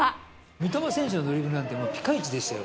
三笘選手のドリブルなんて、もうピカイチですよ。